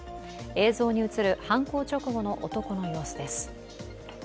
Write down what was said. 映像に映る犯行直後の男の様子です。